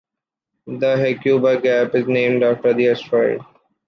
The Hecuba-Gap is named after the asteroid.